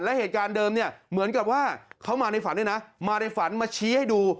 และเหตุการณ์เดิมเนี่ยเหมือนกับว่าเขามาในฝันด้วยนะมาในฝันมาชี้ให้ดู